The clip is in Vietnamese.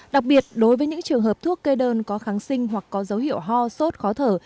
đặc biệt đối với những trường hợp thuốc kê đơn có kháng sinh hoặc có dấu hiệu ho sốt khó thở